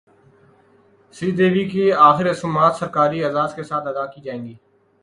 سری دیوی کی اخری رسومات سرکاری اعزاز کے ساتھ ادا کی جائیں گی